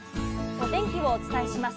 お天気をお伝えします。